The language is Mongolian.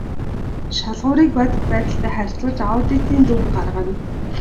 Шалгууруудыг бодит байдалтай харьцуулж аудитын дүнг гаргана.